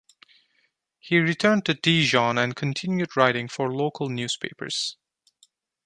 He returned to Dijon and continued writing for local newspapers.